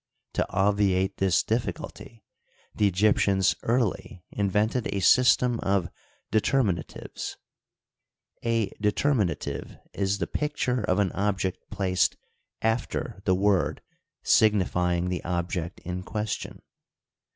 To obviate this difficulty, the Egyptians early invented a system of determinatives, A determinative is the picture of an object placed after the word signifying the object in question.